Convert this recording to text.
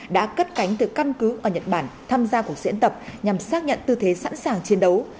đã cất cánh từ căn cứ ở nhật bản tham gia cuộc diễn tập nhằm xác nhận tư thế sẵn sàng chiến đấu